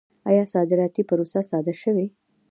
آیا صادراتي پروسه ساده شوې؟